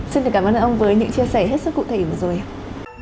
xin cảm ơn ông với những chia sẻ hết sức cụ thể vừa rồi ạ